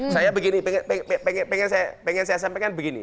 saya begini pengen saya sampaikan begini